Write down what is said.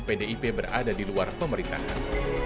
pdip berada di luar pemerintahan